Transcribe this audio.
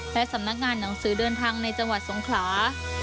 และสำนักงานหนังสือเดินทางในจังหวัดสงขลา